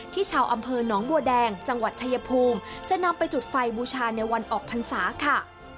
ชาวอำเภอหนองบัวแดงจังหวัดชายภูมิจะนำไปจุดไฟบูชาในวันออกพรรษาค่ะ